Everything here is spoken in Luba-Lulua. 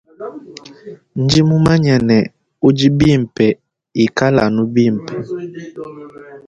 Ndi mumanye ne udi bimpe ika anu bimpe.